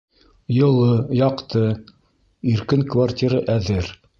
Йылы, яҡты, иркен квартира әҙер.